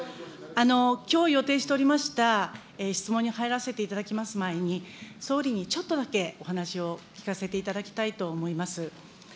きょう予定しておりました質問に入らせていただきます前に、総理にちょっとだけお話を聞かせていただきたいと思います。